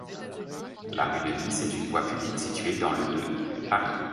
La rue de Nice est une voie publique située dans le de Paris.